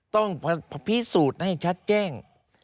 ต้องพิสูจน์ให้ชัดแจ้ง